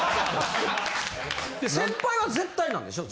先輩は絶対なんでしょ？